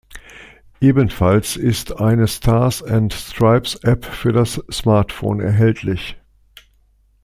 Ebenfalls ist eine "Stars and Stripes" App für das Smartphone erhältlich.